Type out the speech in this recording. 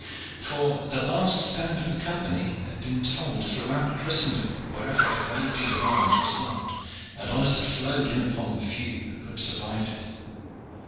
For the last stand of the Company had been told throughout Christendom wherever a brave deed of arms was loved, and honors had flowed in upon the few who had survived it.